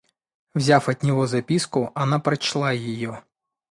Взяв от него записку, она прочла ее.